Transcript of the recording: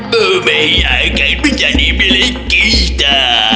bumi akan menjadi milik kita